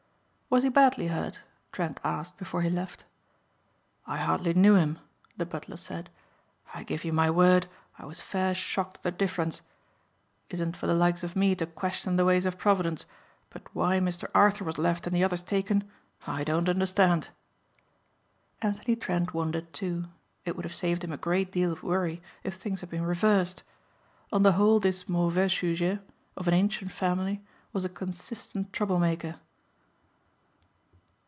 "Was he badly hurt?" Trent asked before he left. "I hardly knew him," the butler said. "I give you my word I was fair shocked at the difference; isn't for the likes of me to question the ways of Providence but why Mr. Arthur was left and the others taken I don't understand." Anthony Trent wondered, too. It would have saved him a great deal of worry if things had been reversed. On the whole this mauvais sujet, of an ancient family was a consistent trouble maker.